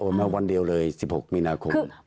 มาวันเดียวเลย๑๖มีนาคม